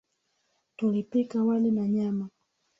Tulipika wali na nyama.